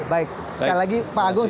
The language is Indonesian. baik sekali lagi pak agung